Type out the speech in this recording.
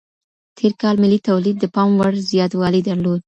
تير کال ملي توليد د پام وړ زياتوالی درلود.